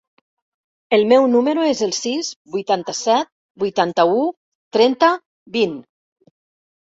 El meu número es el sis, vuitanta-set, vuitanta-u, trenta, vint.